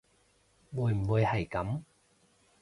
會唔會係噉